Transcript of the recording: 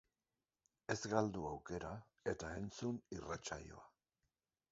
Ez galdu aukera eta entzun irratsaioa!